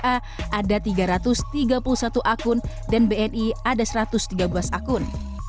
ada tiga ratus tiga puluh satu akun dan bni ada satu ratus tiga belas akun